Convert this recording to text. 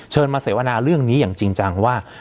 มาเสวนาเรื่องนี้อย่างจริงจังว่า